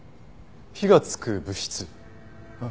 火がつく物質？